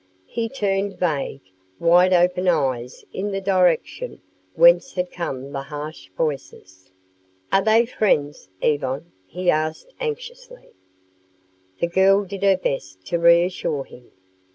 He turned vague, wide open eyes in the direction whence had come the harsh voices. "Are they friends, Yvonne?" he asked anxiously. The girl did her best to reassure him.